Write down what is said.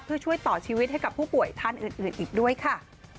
เพื่อช่วยต่อชีวิตให้กับผู้ป่วยท่านอื่นอีกด้วยค่ะ